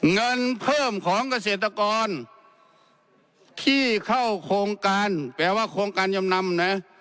เงินเพิ่มของเกษตรกรที่เข้าโครงการแปลว่าโครงการจำนำนะ